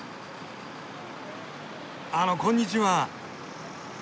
あのこんにちは。